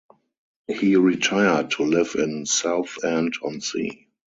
He retired to live in Southend-on-Sea.